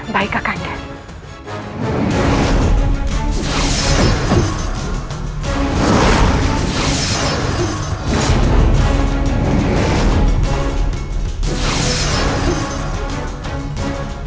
baik kak kanda